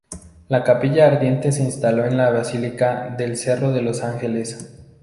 La capilla ardiente se instaló en la basílica del Cerro de los Ángeles.